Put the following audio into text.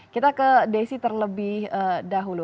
kita ke desi terlebih dahulu